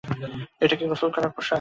এটা কি গোসল করার পোশাক?